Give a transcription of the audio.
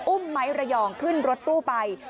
ไม้ระยองขึ้นรถตู้ไป